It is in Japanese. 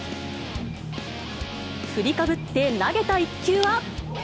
振りかぶって投げた一球は。